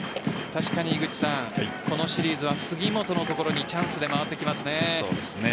確かに、このシリーズは杉本のところにチャンスで回ってきますね。